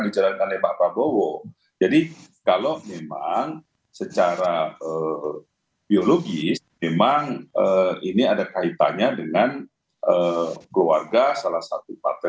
jadi kalau memang secara biologis memang ini ada kaitannya dengan keluarga salah satu partai